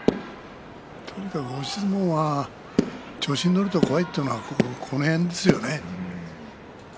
とにかく押し相撲は調子に乗ると怖いというのはこの辺ですよね。